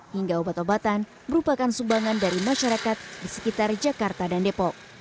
hingga obat obatan merupakan sumbangan dari masyarakat di sekitar jakarta dan depok